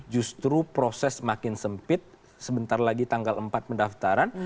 justru proses semakin sempit sebentar lagi tanggal empat pendaftaran